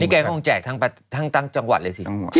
แกก็คงแจกทั้งจังหวัดเลยสิ